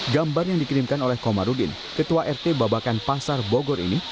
gambar yang dikirimkan oleh komarudin ketua rt babakan pasar bogor ini